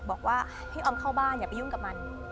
บอกว่าให้ออมเข้าบ้านอย่าไปยุ่งกับมัน